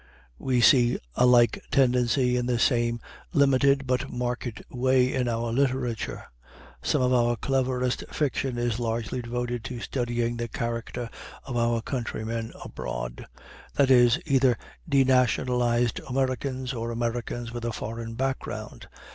We see a like tendency in the same limited but marked way in our literature. Some of our cleverest fiction is largely devoted to studying the character of our countrymen abroad; that is, either denationalized Americans or Americans with a foreign background.